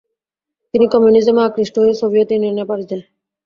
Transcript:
তিনি কমিউনিজমে আকৃষ্ট হয়ে সোভিয়েত ইউনিয়নে পাড়ি দেন।